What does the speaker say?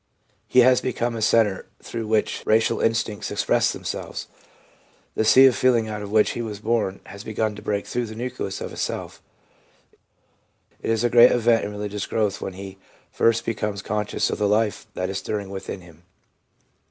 He has become a centre through which racial instincts express themselves. The sea of feeling out of which he was born has begun to break through the nucleus of a self. It is a great event in religious growth when he first becomes con scious of the life that is stirring within him.